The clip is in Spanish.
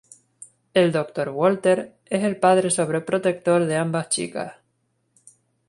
El Dr. Walter es el padre sobreprotector de ambas chicas.